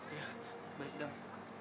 iya baik dang